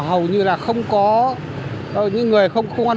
và chủ yếu chỉ hoạt động trong lĩnh vực du lịch